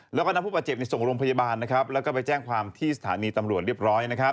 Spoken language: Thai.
แล้วก็นำผู้บาดเจ็บในส่งโรงพยาบาลแล้วก็ไปแจ้งความที่สถานีตำรวจเรียบร้อย